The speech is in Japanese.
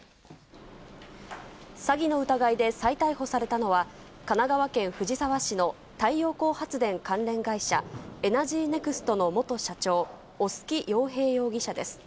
詐欺の疑いで再逮捕されたのは、神奈川県藤沢市の太陽光発電関連会社、エナジーネクストの元社長、小薄ようへい容疑者です。